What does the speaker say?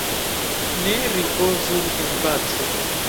Ne ripozu en paco!